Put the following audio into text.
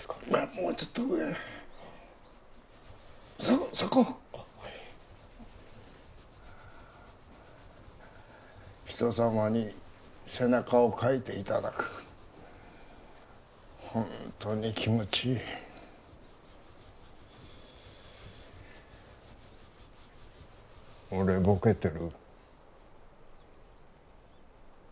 もうちょっと上そこそこあっはい人様に背中をかいていただくホントに気持ちいい俺ボケてる？